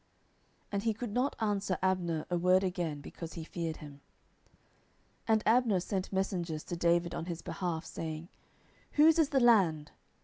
10:003:011 And he could not answer Abner a word again, because he feared him. 10:003:012 And Abner sent messengers to David on his behalf, saying, Whose is the land?